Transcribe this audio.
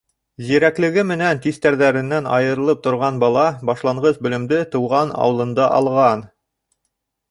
Зирәклеге менән тиҫтерҙәренән айырылып торған бала башланғыс белемде тыуған ауылында алған.